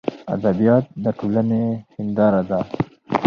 ادبیات دټولني هنداره ده.